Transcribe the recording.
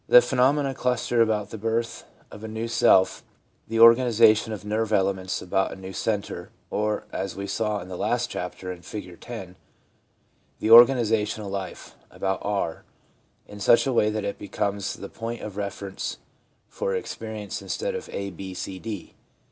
The phenomena cluster about the birth of a new self, the organisation of nerve elements about a new centre, or, as we saw in the last chapter in Figure 10, the organ isation of life about r, in such way that it becomes the point of reference for experience instead of A, B, C, D.